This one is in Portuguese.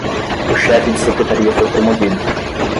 O chefe de secretaria foi promovido